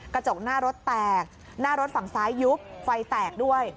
กระจกหน้ารถแตกหน้ารถฝั่งซ้ายยุบไฟแตกด้วย